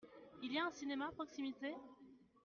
Il y a un cinéma à proximité ?